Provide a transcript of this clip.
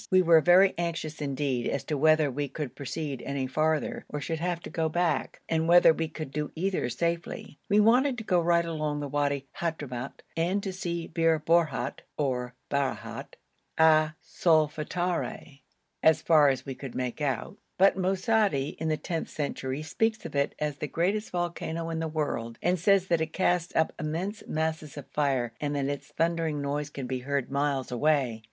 We were very anxious indeed as to whether we could proceed any farther or should have to go back, and whether we could do either safely. We wanted to go right along the Wadi Hadhramout and to see Bir Borhut or Barahout, a solfatare as far as we could make out, but Masoudi in the tenth century speaks of it as the greatest volcano in the world, and says that it casts up immense masses of fire and that its thundering noise can be heard miles away.